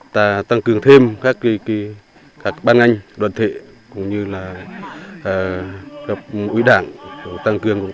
tăng cường thêm các ban ngành đoàn thể cũng như là ủy đảng tăng cường công tác tuần tra đường biên cột mốc của biên giới quốc gia